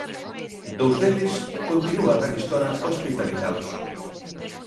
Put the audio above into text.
Dous deles continúan arestora hospitalizados.